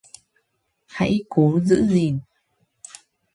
Hãy cố giữ gìn